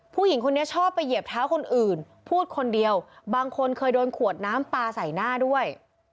ผู้หญิงคนนี้ชอบไปเหยียบเท้าคนอื่นพูดคนเดียวบางคนเคยโดนขวดน้ำปลาใส่หน้าด้วย